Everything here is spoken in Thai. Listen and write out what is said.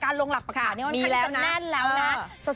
การลงหลักปรักฐานเนี่ยมันขัดจะแน่นแล้วนะ